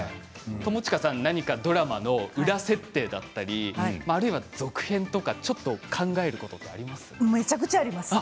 友近さん、何かドラマの裏設定だったりあるいは続編とか、ちょっと考えることってありますか？